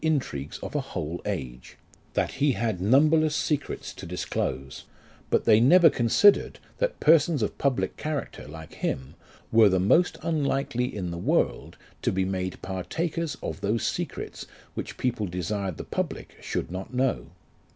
intrigues of a whole age ; that he had numberless secrets to disclose ; but they never considered, that persons of public character like him, were the most unlikely in the world to be made partakers of those secrets which people desired the public should not know.